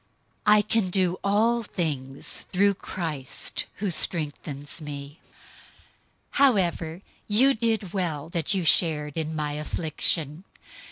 004:013 I can do all things through Christ, who strengthens me. 004:014 However you did well that you shared in my affliction.